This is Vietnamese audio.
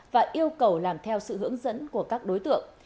và yêu cầu làm theo sự hướng dẫn của các đối tượng